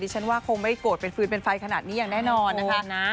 ฉันว่าคงไม่โกรธเป็นฟืนเป็นไฟขนาดนี้อย่างแน่นอนนะคะ